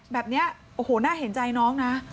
แบบนี้โอ้โหน่าเห็นใจน้องนะ